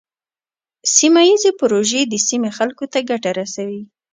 سیمه ایزې پروژې د سیمې خلکو ته ګټه رسوي.